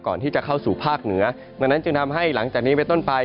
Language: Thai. ก่อนที่จะเข้าสู่ภาคเหนือดังนั้นจึงทำให้หลังจากนี้ไปต้นไป